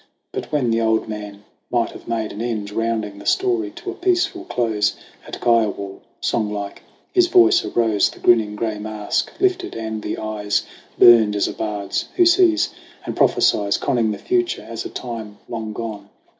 But when the old man might have made an end, Rounding the story to a peaceful close At Kiowa, songlike his voice arose, The grinning gray mask lifted and the eyes Burned as a bard's who sees and prophesies, Conning the future as a time long gone.